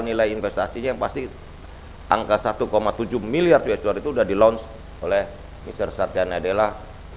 nilai investasinya yang pasti angka satu tujuh miliar usd itu sudah di launch oleh miser sarjana adalah